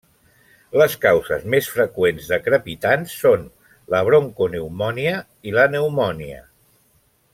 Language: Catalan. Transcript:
Les causes més freqüents de crepitants són la broncopneumònia i la pneumònia.